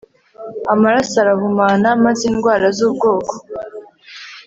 Amaraso arahumana maze indwara zubwoko